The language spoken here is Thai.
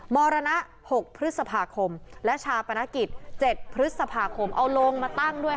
มรณะ๖พฤษภาคมและชาปนกิจ๗พฤษภาคมเอาลงมาตั้งด้วย